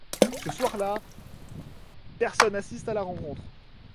Ce soir là, personnes assistent à la rencontre.